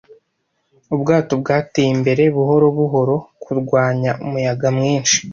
Ubwato bwateye imbere buhoro buhoro kurwanya umuyaga mwinshi.